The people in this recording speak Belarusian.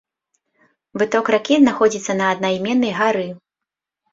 Выток ракі знаходзіцца на аднайменнай гары.